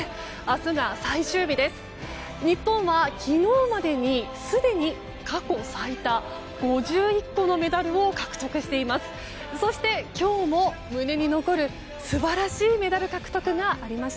日本は昨日までにすでに過去最多５１個のメダルを獲得しています。